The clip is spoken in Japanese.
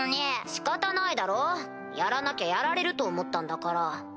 仕方ないだろやらなきゃやられると思ったんだから。